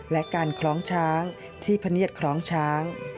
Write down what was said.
และการคล้องช้างที่พะเนียดคล้องช้าง